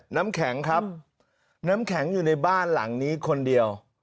น้ำแข็งครับน้ำแข็งอยู่ในบ้านหลังนี้คนเดียว